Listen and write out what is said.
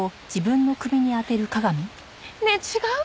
ねえ違う？